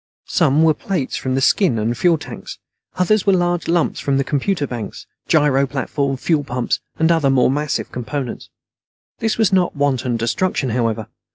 Some were plates from the skin and fuel tanks. Others were large lumps from the computer banks, gyro platform, fuel pumps, and other more massive components. This was not wanton destruction, however.